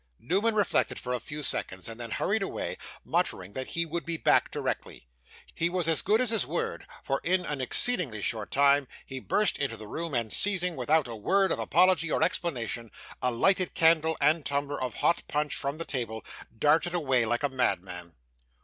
Newman reflected for a few seconds, and then hurried away, muttering that he would be back directly. He was as good as his word; for, in an exceedingly short time, he burst into the room, and seizing, without a word of apology or explanation, a lighted candle and tumbler of hot punch from the table, darted away like a madman.